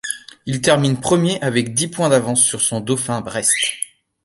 Il termine premier avec dix points d'avance sur son dauphin Brest.